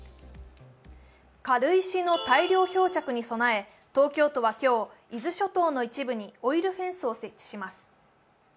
軽石の大量漂着に備え、東京都は今日、伊豆諸島の一部にオイルフェンスを設置します。